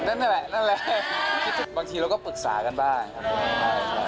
ก็คิดอย่างนั้นแหละบางทีเราก็ปรึกษากันบ้างครับ